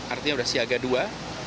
artinya sudah siaga dua